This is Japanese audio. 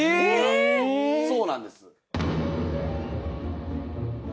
そうなんです